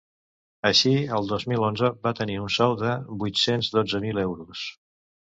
Així, el dos mil onze va tenir un sou de vuit-cents dotze mil euros.